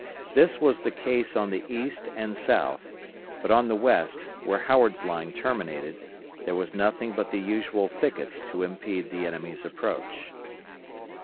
This was the case on the east and south, but on the west, where Howard's line terminated, there was nothing but the usual thickets to impede the enemy's approach.